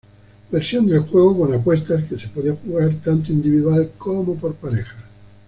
Versión del juego con apuestas que se puede jugar tanto individual como por parejas.